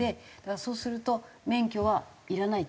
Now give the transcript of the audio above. そうすると免許はいらないと。